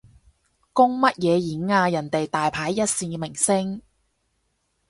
公乜嘢演啊，人哋大牌一線明星